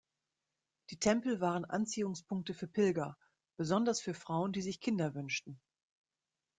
Die Tempel waren Anziehungspunkte für Pilger, besonders für Frauen, die sich Kinder wünschten.